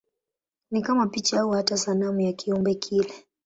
Ni kama picha au hata sanamu ya kiumbe kile.